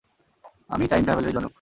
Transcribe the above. আমিই টাইম ট্রাভেলের জনক?